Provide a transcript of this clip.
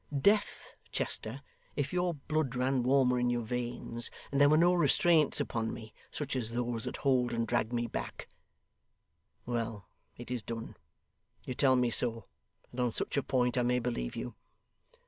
'Death, Chester, if your blood ran warmer in your veins, and there were no restraints upon me, such as those that hold and drag me back well; it is done; you tell me so, and on such a point I may believe you.